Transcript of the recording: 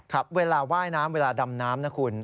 เวลาว่ายน้ำเวลาดำน้ำนะคุณ